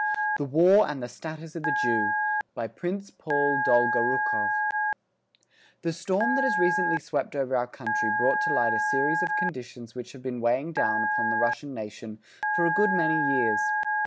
_ THE WAR AND THE STATUS OF THE JEW BY PRINCE PAUL DOLGORUKOV The storm that has recently swept over our country brought to light a series of conditions which have been weighing down upon the Russian nation for a good many years.